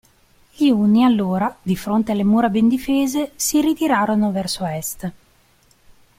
Gli Unni allora, di fronte alle mura ben difese, si ritirarono verso est.